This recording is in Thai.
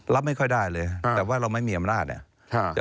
รับไม่ค่อยได้เลยแต่ว่าเราไม่มีอำนาจเนี่ย